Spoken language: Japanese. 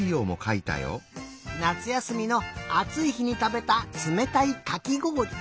なつやすみのあついひにたべたつめたいかきごおり。